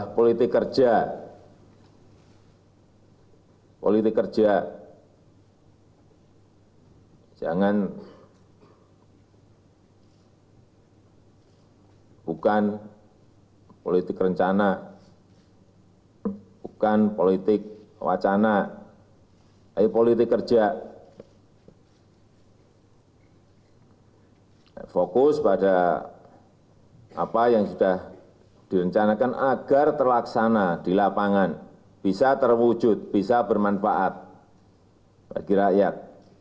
politi kerja fokus pada apa yang sudah direncanakan agar terlaksana di lapangan bisa terwujud bisa bermanfaat bagi rakyat